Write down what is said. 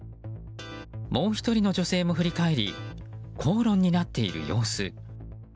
もう１人の女性も振り返り口論になっている様子。